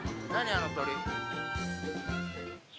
あの鳥。